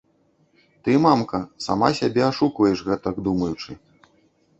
Ты, мамка, сама сябе ашукваеш, гэтак думаючы.